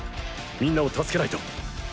みんなを助けないと。